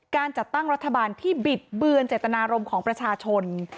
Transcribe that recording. การจัดตั้งรัฐบาลที่บิดเบือนเจตนารมณ์ของประชาชน